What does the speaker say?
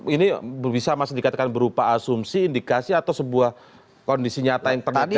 ini bisa mas dikatakan berupa asumsi indikasi atau sebuah kondisi nyata yang terjadi